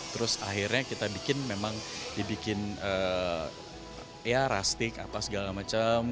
terus akhirnya kita bikin memang dibikin ya rustic apa segala macem